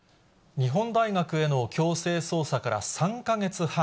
日本大学への強制捜査から３か月半。